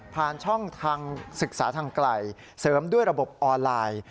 ผ่านช่องทางศึกษาทางไกลเสริมด้วยระบบออนไลน์